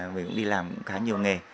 mình cũng đi làm khá nhiều nghề